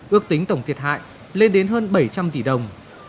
ước tính tổng thiệt hại lên đến hơn bảy trăm linh tỷ đồng